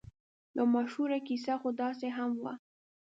یوه مشهوره کیسه خو داسې هم وه.